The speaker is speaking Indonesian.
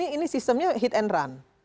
ini sistemnya hit and run